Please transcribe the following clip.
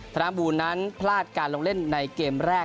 ธนบูลนั้นพลาดการลงเล่นในเกมแรก